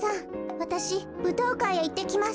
わたしぶとうかいへいってきます。